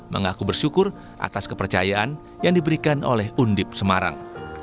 mengaku bersyukur atas kepercayaan yang diberikan oleh undip semarang